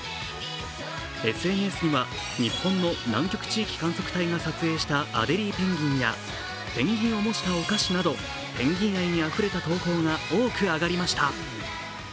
ＳＮＳには日本の南極地域観測隊が撮影したペンギンやペンギンを模したお菓子などペンギン愛にあふれた投稿が多く上がりました。